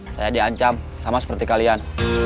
saya di ancam sama seperti kalian